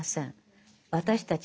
私たち